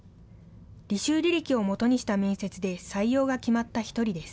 履修履歴をもとにした面接で採用が決まった一人です。